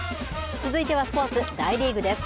続いてはスポーツ、大リーグです。